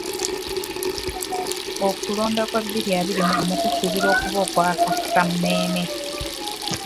Okulonda kwa bbiri abiri mu gumu kusuubirwa okuba okwakaasammeeme.